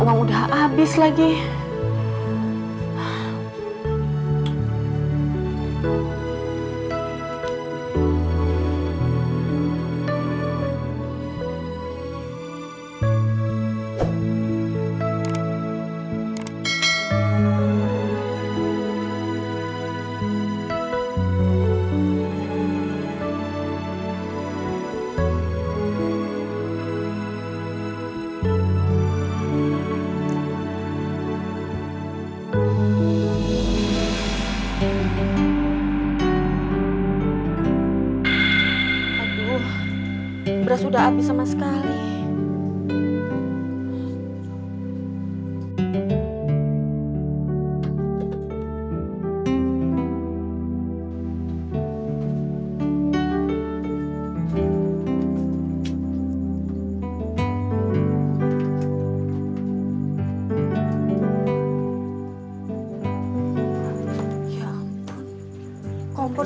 masya allah suara mbak som